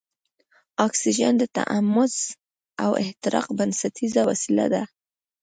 اکسیجن د تحمض او احتراق بنسټیزه وسیله ده.